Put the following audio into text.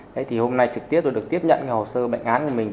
thế thì hôm nay trực tiếp tôi được tiếp nhận hồ sơ bệnh án của mình